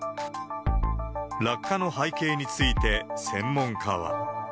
落下の背景について、専門家は。